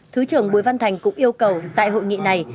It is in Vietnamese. thứ trưởng bùi văn thành cũng yêu cầu tại hội nghị này